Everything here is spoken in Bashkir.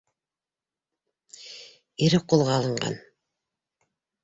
Ире ҡулға алынған!